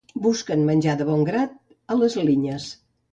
Busquen menjar de bon grat a les llinyes.